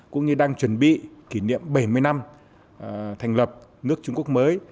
cũng như đang chuẩn bị kỷ niệm bảy mươi năm thành lập nước trung quốc mới